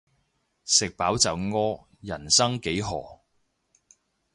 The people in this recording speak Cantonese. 食飽就屙，人生幾何